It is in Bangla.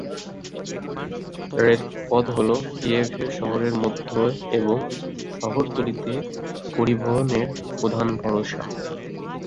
রেলপথ হল কিয়েভের শহরের মধ্যে এবং শহরতলিতে পরিবহনের প্রধান ভরসা।